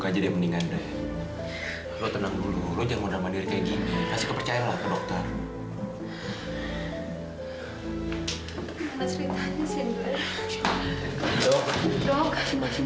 kelihatan kasih hikmah